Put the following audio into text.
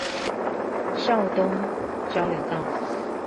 孝東交流道